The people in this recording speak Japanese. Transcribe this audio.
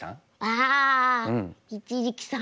ああ一力さん。